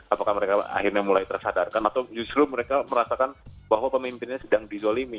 apakah mereka akhirnya mulai tersadarkan atau justru mereka merasakan bahwa pemimpinnya sedang dizolimi